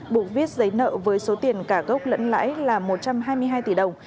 buộc viết giấy nợ với số tiền cả gốc lẫn lãi là một trăm hai mươi hai tỷ đồng